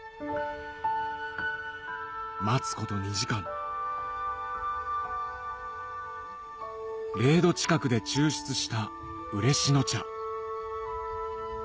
待つこと２時間０度近くで抽出した嬉野茶